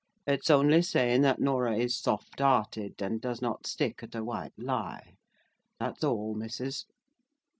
It's only saying that Norah is soft hearted, and does not stick at a white lie—that's all, missus."